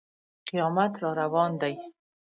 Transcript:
قیامت را روان دی.